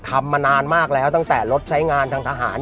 ทำมานานมากแล้วตั้งแต่รถใช้งานทางทหาร